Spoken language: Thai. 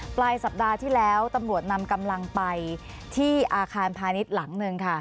ปลายสัปดาห์ที่แล้วตำรวจนำกำลังไปที่อาคารพาณิชย์หลังหนึ่งค่ะ